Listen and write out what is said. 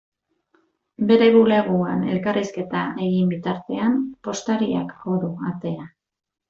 Bere bulegoan elkarrizketa egin bitartean, postariak jo du atea.